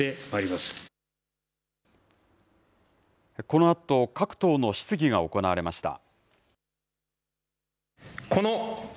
このあと、各党の質疑が行われました。